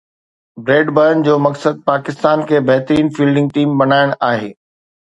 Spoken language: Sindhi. بريڊ برن جو مقصد پاڪستان کي بهترين فيلڊنگ ٽيم بڻائڻ آهي